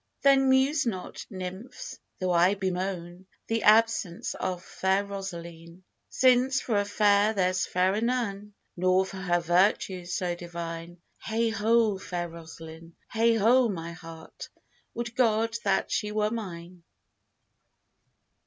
Then muse not, Nymphs, though I bemoan The absence of fair Rosaline, Since for a fair there's fairer none, Nor for her virtues so divine: Heigh ho, fair Rosaline; Heigh ho, my heart! would God that she were mine!